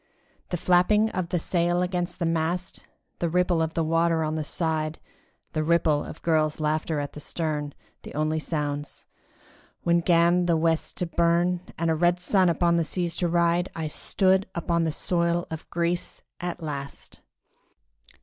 The flapping of the sail against the mast, The ripple of the water on the side, The ripple of girls' laughter at the stern, The only sounds:—when 'gan the West to burn, And a red sun upon the seas to ride, I stood upon the soil of Greece at last!